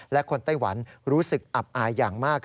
และคนไต้หวันรู้สึกอับอายอย่างมาก